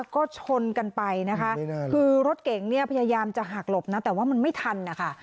ก็ชนกันไปนะคะคือรถเก๋งเนี่ยพยายามจะหักหลบนะแต่ว่ามันไม่ทันนะคะ